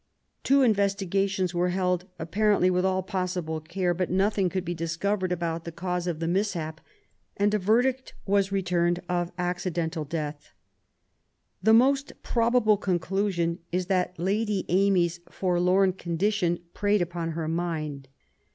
Two investigations were held, apparently with all PROBLEMS OF THE REIGN, 67 possible care ; but nothing could be discovered about the cause of the mishap, and a verdict was returned of " accidental death *'. The most probable con clusion is that Lady Amy's forlorn condition preyed upon her mind.